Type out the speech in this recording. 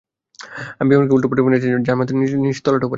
আমি বিমানকে উল্টো উড়িয়েছি, যার মানে মাথাটা নিচে তলাটা উপরে, হিউ।